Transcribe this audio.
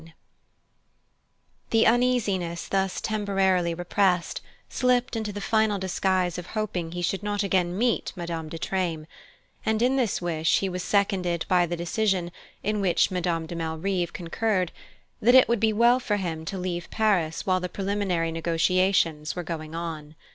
VIII The uneasiness thus temporarily repressed slipped into the final disguise of hoping he should not again meet Madame de Treymes; and in this wish he was seconded by the decision, in which Madame de Malrive concurred, that it would be well for him to leave Paris while the preliminary negotiations were going on.